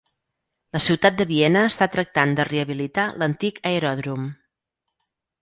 La ciutat de Viena està tractant de rehabilitar l'antic aeròdrom.